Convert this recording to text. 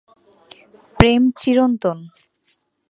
প্রেম চিরন্তন!